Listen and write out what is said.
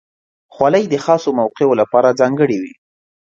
خولۍ د خاصو موقعو لپاره ځانګړې وي.